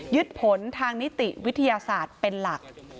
ผลทางนิติวิทยาศาสตร์เป็นหลัก